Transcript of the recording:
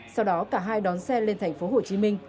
sau đó cả hai đón xe lên thành phố hồ chí minh